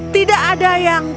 tidak ada yang